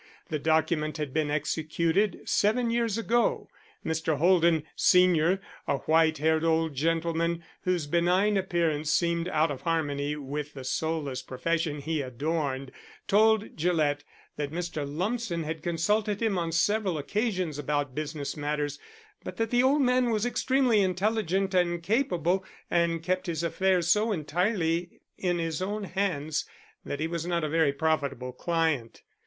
The document had been executed seven years ago. Mr. Holden, senior, a white haired old gentleman whose benign appearance seemed out of harmony with the soulless profession he adorned, told Gillett that Mr. Lumsden had consulted him on several occasions about business matters, but the old man was extremely intelligent and capable, and kept his affairs so entirely in his own hands that he was not a very profitable client.